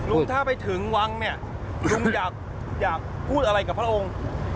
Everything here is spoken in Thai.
ลุงถ้าไปถึงวังลุงอยากพูดอะไรกับพระองค์